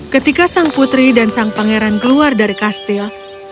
ketika sang putri dan sang pangeran keluar dari kastil